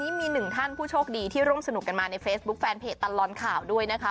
แล้วก็เป็นการผู้โชคดีที่ร่วมสนุกกันมาในเฟซบุ๊คแฟนเพจตัลลอนข่าวด้วยนะคะ